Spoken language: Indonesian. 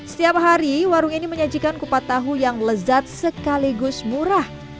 setiap hari warung ini menyajikan kupat tahu yang lezat sekaligus murah